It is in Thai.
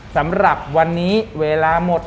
สำหรับวันนี้เวลาหมด